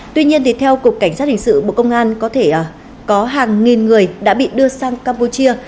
tuy nhiên theo cục cảnh sát hình sự bộ công an có thể có hàng nghìn người đã bị đưa sang campuchia